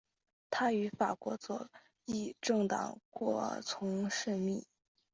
他与法国左翼政党过从甚密。